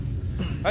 はい。